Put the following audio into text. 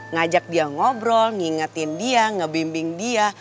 ngajak dia ngobrol ngingetin dia ngebimbing dia